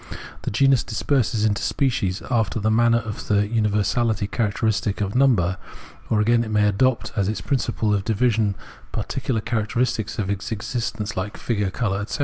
The genus disperses into species after the manner of the uni Observation of Organic Nature 283 versality characteristic of number, or again it may adopt as its principle of division particular characteristics of its existence like figure, colour, etc.